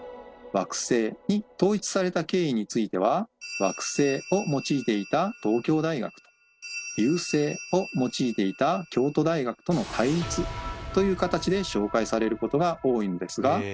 「惑星」に統一された経緯については「惑星」を用いていた東京大学と「遊星」を用いていた京都大学との対立という形で紹介されることが多いのですがあっ！